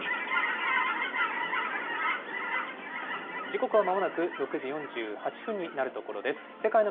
時刻はまもなく６時４８分になるところです。